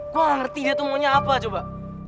gua gak ngerti dia tuh maunya apa coba